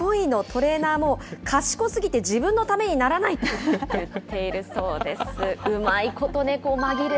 トレーナーも、賢すぎて自分のためにならないと言っているそうです。